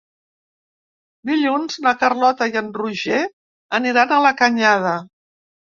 Dilluns na Carlota i en Roger aniran a la Canyada.